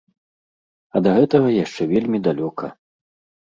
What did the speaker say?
А да гэтага яшчэ вельмі далёка.